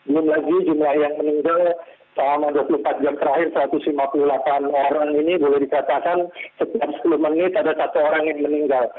belum lagi jumlah yang meninggal selama dua puluh empat jam terakhir satu ratus lima puluh delapan orang ini boleh dikatakan setiap sepuluh menit ada satu orang yang meninggal